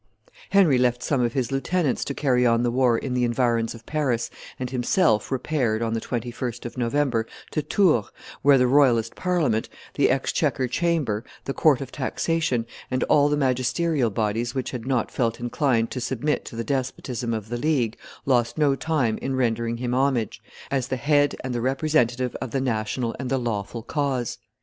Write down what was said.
Henry left some of his lieutenants to carry on the war in the environs of Paris, and himself repaired, on the 21st of November, to Tours, where the royalist Parliament, the exchequer chamber, the court of taxation, and all the magisterial bodies which had not felt inclined to submit to the despotism of the League, lost no time in rendering him homage, as the head and the representative of the national and the lawful cause.